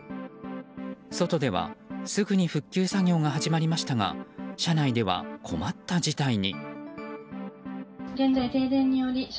外ではすぐに復旧作業が始まりましたが車内では困った事態に。